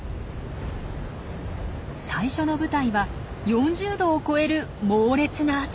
最初の舞台は４０℃を超える猛烈な暑さ。